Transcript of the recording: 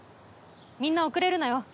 みんな遅れるなよ。